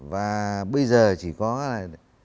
và bây giờ chỉ có là